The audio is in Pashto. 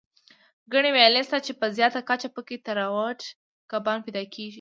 ګڼې ویالې شته، چې په زیاته کچه پکې تراوټ کبان پیدا کېږي.